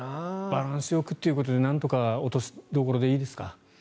バランスよくというところでなんとか落としどころでいいですか？